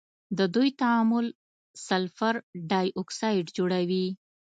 د دوی تعامل سلفر ډای اکسايډ جوړوي.